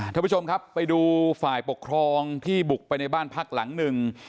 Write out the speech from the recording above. ท่านผู้ชมครับไปดูฝ่ายปกครองที่บุกไปในบ้านพักหลังหนึ่ง